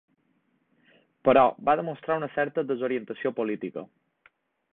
Però va demostrar una certa desorientació política.